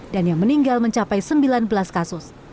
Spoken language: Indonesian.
dan yang meninggal mencapai sembilan belas kasus